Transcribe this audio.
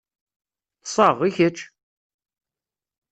Ṭṣeɣ, i kečč?